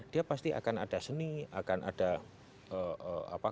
dia pasti akan ada seni akan ada apa